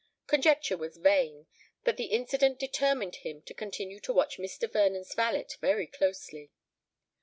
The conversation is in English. Conjecture was vain; but the incident determined him to continue to watch Mr. Vernon's valet very closely.